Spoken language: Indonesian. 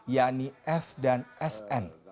yakni s dan sn